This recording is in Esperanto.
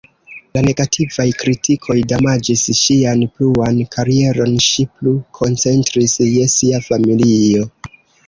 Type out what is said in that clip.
La negativaj kritikoj damaĝis ŝian pluan karieron, ŝi plu koncentris je sia familio.